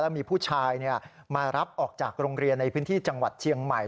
มีผู้ชายมารับออกจากโรงเรียนในพื้นที่จังหวัดเชียงใหม่